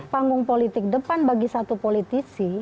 panggung politik depan bagi satu politisi